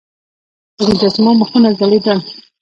د مجسمو مخونه ځلیدل